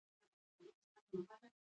د باغدارۍ سکتور د ودې په حال کې دی.